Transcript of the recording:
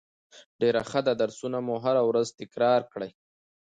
ډیره ښه ده درسونه مو هره ورځ تکرار کړئ